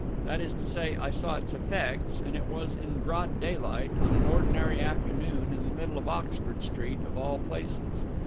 That is to say, I saw its effects, and it was in broad daylight, on an ordinary afternoon, in the middle of Oxford Street, of all places.